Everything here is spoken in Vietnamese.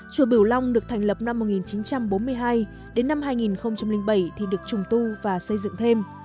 chùa biểu long được thành lập năm một nghìn chín trăm bốn mươi hai đến năm hai nghìn bảy thì được trùng tu và xây dựng thêm